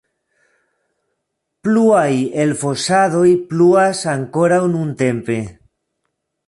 Pluaj elfosadoj pluas ankoraŭ nuntempe.